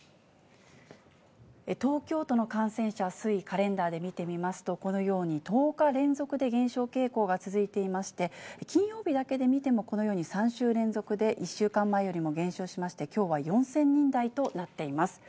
東京都の感染者推移、カレンダーで見てみますと、このように、１０日連続で減少傾向が続いていまして、金曜日だけで見ても、このように３週連続で１週間前よりも減少しまして、きょうは４０００人台となっています。